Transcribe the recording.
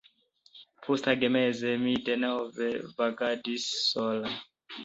Posttagmeze mi denove vagadis sola.